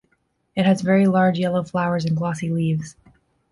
It has very large yellow flowers and glossy leaves.